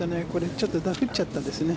ちょっとダフっちゃったんですね。